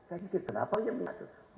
oh kenalawannya itu pemerintah